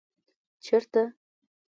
ـ چېرته؟